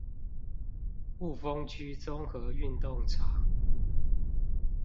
霧峰區綜合運動場